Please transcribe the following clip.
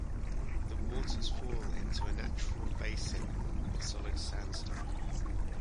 The waters fall into a natural basin of solid sandstone.